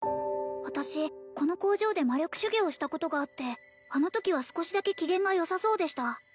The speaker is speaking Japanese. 私この工場で魔力修業をしたことがあってあのときは少しだけ機嫌がよさそうでした